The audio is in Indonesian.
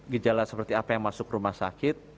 gejala seperti apa yang masuk rumah sakit